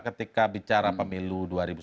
ketika bicara pemilu dua ribu sembilan belas